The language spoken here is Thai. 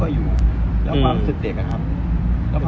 คุณพี่ตะเนื้อข่าว